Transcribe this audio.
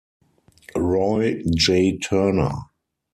Roy J. Turner.